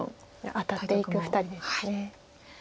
当たっていく２人です。